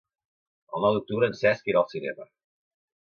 El nou d'octubre en Cesc irà al cinema.